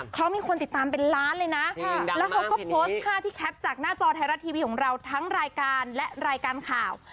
เขามีคนติดตามเป็นล้านเลยนะแล้วเขาก็โพสต์ภาพที่แคปจากหน้าจอไทยรัฐทีวีของเราทั้งรายการและรายการข่าว